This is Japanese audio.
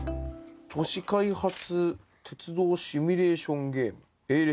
都市開発鉄道シミュレーションゲーム。